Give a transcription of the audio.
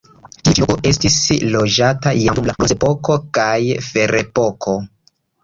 Tiu ĉi loko estis loĝata jam dum la bronzepoko kaj ferepoko.